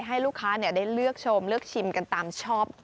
ให้ลูกค้าได้เลือกชมเลือกชิมกันตามชอบ